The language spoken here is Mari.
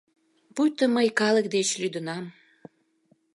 Пуйто мый калык деч лӱдынам».